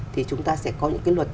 thì chúng ta sẽ có những cái luật